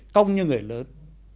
công như người lớn